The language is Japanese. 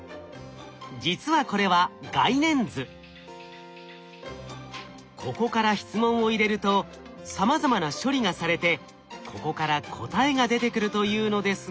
実はこれはここから質問を入れるとさまざまな処理がされてここから答えが出てくるというのですが。